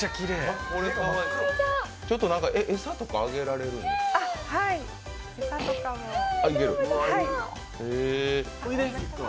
ちょっと餌とかあげられるんですか？